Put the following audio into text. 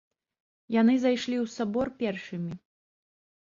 Яны зайшлі ў сабор першымі.